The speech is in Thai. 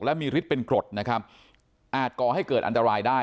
และมีฤทธิ์เป็นกรดนะครับอาจก่อให้เกิดอันตรายได้